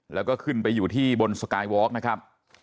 แล้วก็ขึ้นไปอยู่ที่บนสกายวอร์กนะครับ